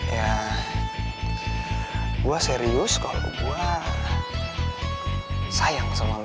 yah gue serius kalau gue sayang sama lu